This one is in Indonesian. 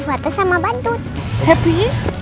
gak tersalah anak kita gak bisa mulai